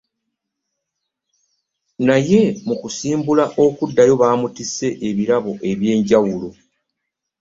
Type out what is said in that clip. Naye mu kusimbula okuddayo baamutisse ebirabo eby'enjawulo.